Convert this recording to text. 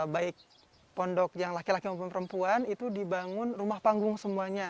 baik pondok yang laki laki maupun perempuan itu dibangun rumah panggung semuanya